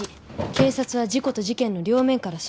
警察は事故と事件の両面から捜査中。